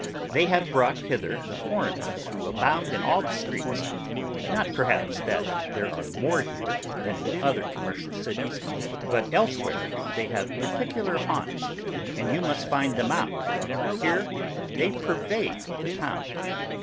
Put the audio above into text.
They have brought hither the foreigners who abound in all the streets: not, perhaps, that there are more here, than in other commercial cities; but elsewhere, they have particular haunts, and you must find them out; here, they pervade the town.